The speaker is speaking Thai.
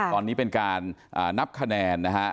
ตอนนี้เป็นการนับคะแนนนะฮะ